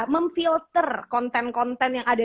memfilter konten konten yang ada